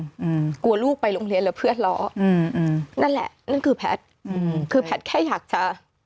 ได้ไหมว่าแบบกลัวลูกไปโรงเรียนหรือเพื่อนล้อนั่นแหละนั่นคือแพทย์คือแพทย์แค่อยากจะ